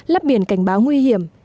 lắp biển cảnh báo nguy hiểm